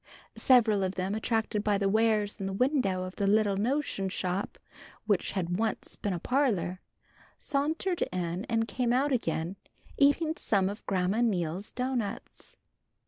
Several of them attracted by the wares in the window of the little notion shop which had once been a parlor, sauntered in and came out again, eating some of Grandma Neal's doughnuts.